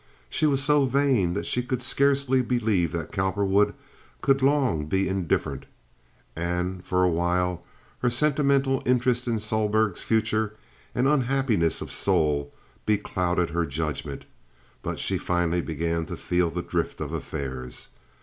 She was so vain that she could scarcely believe that Cowperwood could long be indifferent, and for a while her sentimental interest in Sohlberg's future and unhappiness of soul beclouded her judgment; but she finally began to feel the drift of affairs.